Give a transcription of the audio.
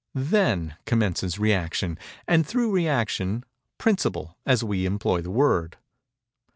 Then commences Rëaction, and through Rëaction, "Principle," as we employ the word.